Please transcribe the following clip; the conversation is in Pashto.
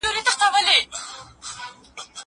زه مخکي سبزیحات پاخلي وو؟